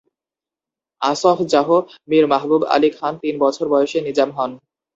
আসফ জাহ মীর মাহবুব আলী খান তিন বছর বয়সে নিজাম হন।